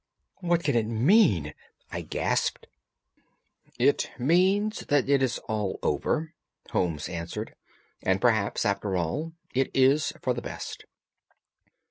"What can it mean?" I gasped. "It means that it is all over," Holmes answered. "And perhaps, after all, it is for the best.